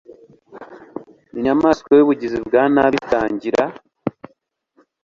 inyamanswa yubugizi bwa nabi itangira